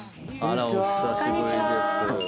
あらっお久しぶりです。